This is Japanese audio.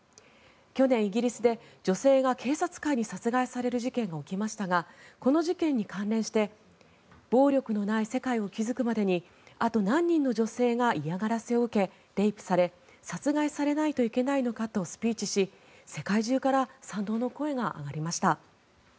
去年、イギリスで女性が警察官に殺害される事件が起きましたがこの事件に関連して暴力のない世界を築くまでにあと何人の女性が嫌がらせを受けレイプされ殺害されないといけないのかとスピーチし世界中から賛同の声が上がりました。